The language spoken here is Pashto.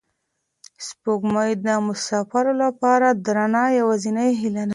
سپوږمۍ د مساپرو لپاره د رڼا یوازینۍ هیله ده.